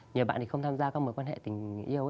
nhiều bạn thì không tham gia các mối quan hệ tình yêu